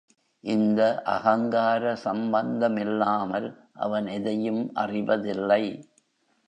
இந்த அகங்கார சம்பந்தமில்லாமல் அவன் எதையும் அறிவதில்லை.